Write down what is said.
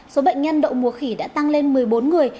số bệnh nhân đậu mùa khỉ đã tăng lên một mươi bốn người